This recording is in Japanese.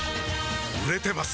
売れてます